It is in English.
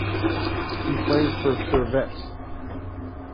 He plays for Servette.